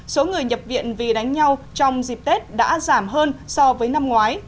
số người nhập viện vì đánh nhau trong dịp tết đã giảm hơn so với năm ngoái